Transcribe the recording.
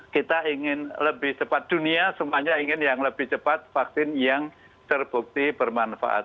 kita ingin lebih cepat dunia semuanya ingin yang lebih cepat vaksin yang terbukti bermanfaat